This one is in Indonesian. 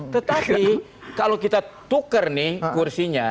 tetapi kalau kita tukar nih kursinya